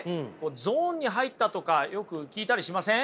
ゾーンに入ったとかよく聞いたりしません？